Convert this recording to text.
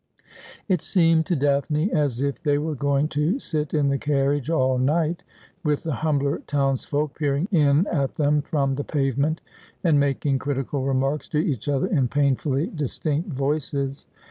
It seemed to Daphne as if they were going to sit in the carriage all night, with the humbler townsfolk peering in at them from the pavement, and making critical remarks to each other in painfully distinct voices.